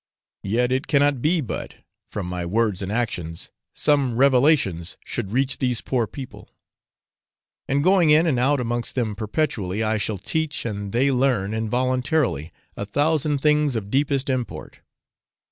Yet it cannot be but, from my words and actions, some revelations should reach these poor people; and going in and out amongst them perpetually, I shall teach, and they learn involuntarily a thousand things of deepest import.